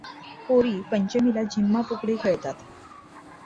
पोरी पंचमीला झिम्मा, फुगडी खेळतात.